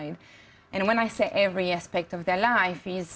dan ketika saya mengatakan setiap aspek hidup mereka